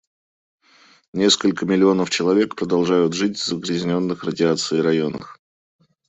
Несколько миллионов человек продолжают жить в загрязнённых радиацией районах.